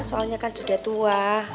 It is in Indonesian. soalnya kan sudah tua